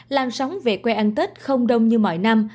lan sóng về quê ăn tết không đông như mọi năm